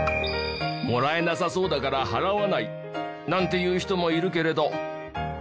「もらえなさそうだから払わない」なんて言う人もいるけれど。